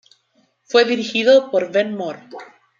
Fue dirigido por Ben Mor.